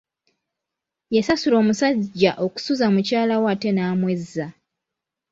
Yasasula omusajja okusuza mukyala we ate n'amwezza.